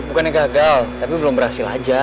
bukannya gagal tapi belum berhasil aja